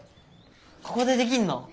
ここでできんの？